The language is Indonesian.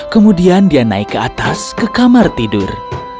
kemudian dia naik ke atas ke kamar tidur